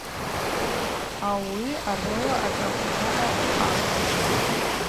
Ауи – арыла ашӏапхара акӏвын.